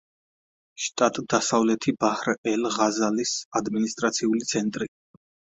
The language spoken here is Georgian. შტატ დასავლეთი ბაჰრ-ელ-ღაზალის ადმინისტრაციული ცენტრი.